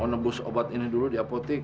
mau nebus obat ini dulu di apotek